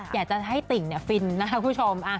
อยากให้ติ่งฟินนะคะผู้ชม